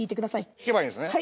引けばいいんですね